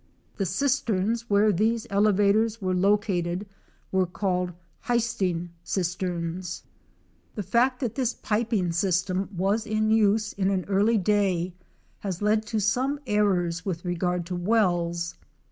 The cisterns where these elevators were located were called "histing cisterns " The fact that this piping system was in use in an early day has led to some errors with regard to wells.